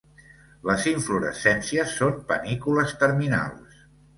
Les inflorescències són panícules terminals.